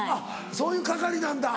そういう係なんだ。